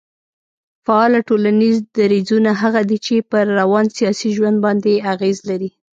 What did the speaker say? فعاله ټولنيز درځونه هغه دي چي پر روان سياسي ژوند باندي اغېز لري